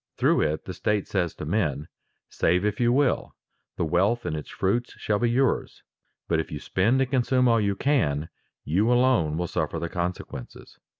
Through it the state says to men: "Save if you will; the wealth and its fruits shall be yours. But if you spend and consume all you can, you alone will suffer the consequences."